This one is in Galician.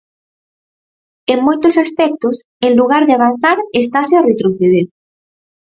En moitos aspectos, en lugar de avanzar, estase a retroceder.